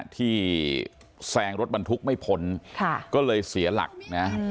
ที่แซงรถบรรทุกไม่พ้นก็เลยเสียหลักนะ